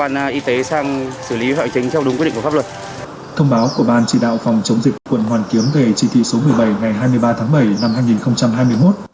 ngày hai mươi ba tháng bảy năm hai nghìn hai mươi một